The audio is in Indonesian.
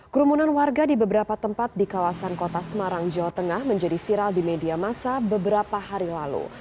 kerumunan warga di beberapa tempat di kawasan kota semarang jawa tengah menjadi viral di media masa beberapa hari lalu